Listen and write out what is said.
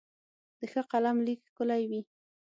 د ښه قلم لیک ښکلی وي.